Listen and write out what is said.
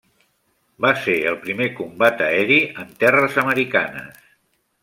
Va ser el primer combat aeri en terres americanes.